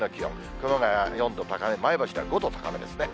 熊谷は４度高め、前橋では５度高めですね。